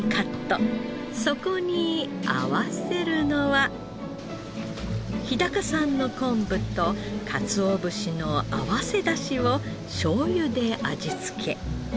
そこに合わせるのは日高産の昆布とかつお節の合わせだしをしょうゆで味付け。